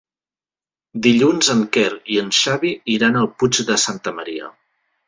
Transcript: Dilluns en Quer i en Xavi iran al Puig de Santa Maria.